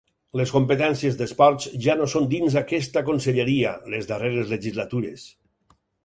Les competències d'esports ja no són dins aquesta conselleria les darreres legislatures.